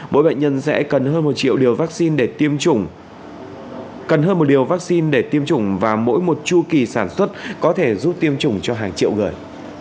mỗi bệnh nhân sẽ cần hơn một triệu điều vaccine để tiêm chủng và mỗi một chu kỳ sản xuất có thể giúp tiêm chủng cho hàng triệu người